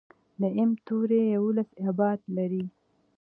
د M-تیوري یوولس ابعاد لري.